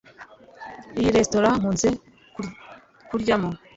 Iyi ni resitora nkunze kuryamo